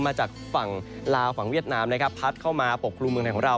มาจากฝั่งลาวฝั่งเวียดนามนะครับพัดเข้ามาปกครุมเมืองไทยของเรา